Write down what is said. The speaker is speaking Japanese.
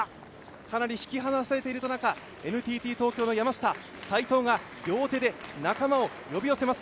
かなり引き離されている中、ＮＴＴ東京の山下、斉藤が呼び寄せます。